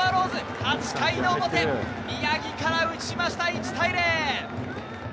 ８回の表宮城から打ちました、１−０。